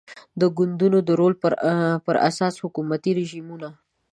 د ګوندونو د رول پر اساس حکومتي رژیمونه